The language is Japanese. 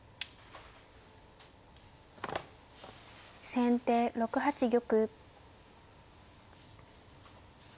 先手６八玉。